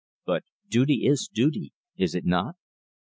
But duty is duty, is it not?"